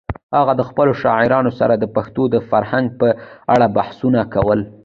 هغه د خپلو شاعرانو سره د پښتنو د فرهنګ په اړه بحثونه کول.